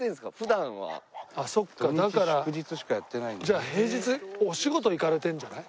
じゃあ平日お仕事行かれてるんじゃない？